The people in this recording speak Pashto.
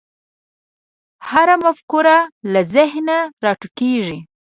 هره مفکوره له ذهنه راټوکېږي.